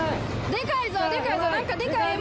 でかいでかい！